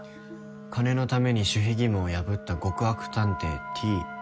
「金のために守秘義務を破った極悪探偵Ｔ」